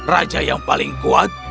raja yang paling kuat